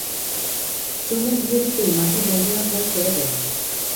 চুমুক দিতে-দিতেই মাথার যন্ত্রণা প্রায় সেরে গেল।